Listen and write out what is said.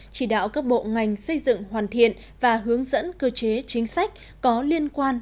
chỉ đạo các bộ ngành xây dựng hoàn thiện và hướng dẫn cơ chế chính sách có liên quan